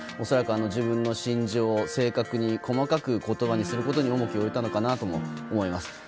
恐らく、自分の心情を正確に細かく言葉にすることに重きを置いたのかなと思います。